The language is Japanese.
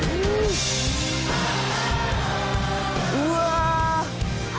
うわ！